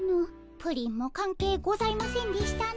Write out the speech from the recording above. プリンも関係ございませんでしたね。